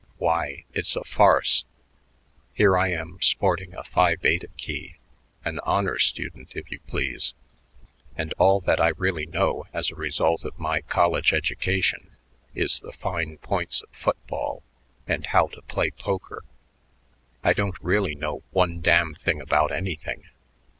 Why, it's a farce. Here I am sporting a Phi Bete key, an honor student if you please, and all that I really know as a result of my college 'education' is the fine points of football and how to play poker. I don't really know one damn thing about anything."